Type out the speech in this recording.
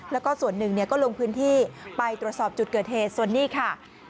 แล้วก็ส่วนหนึ่งก็ลงพื้นที่ไปตรวจสอบจุดเกิดเหตุส่วนนี้ค่ะ